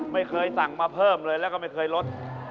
ไม่เคยสั่งมาเพิ่มเลยแล้วก็ไม่เคยลด